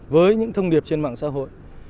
với những thông điệp trên mạng xã hội